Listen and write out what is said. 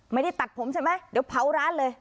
ไม่ได้ตัดผมใช่ไหมเดี๋ยวเผาร้านเลย